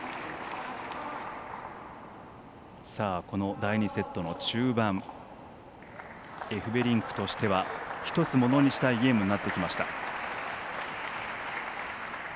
第２セットの中盤エフベリンクとしては１つものにしたいゲームになってきました。